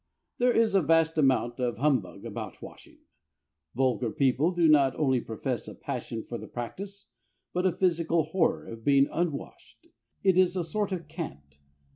There is a vast amount of humbug about washing. Vulgar people not only profess a passion for the practice, but a physical horror of being unwashed. It is a sort of cant.